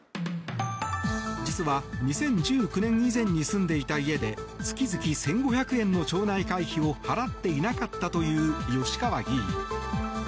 実は２０１９年以前に住んでいた家で月々１５００円の町内会費を払っていなかったという吉川議員。